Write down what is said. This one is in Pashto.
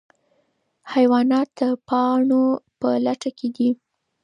حیوانات د پاڼو په لټه کې دي.